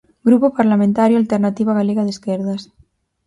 Grupo Parlamentario Alternativa Galega de Esquerdas.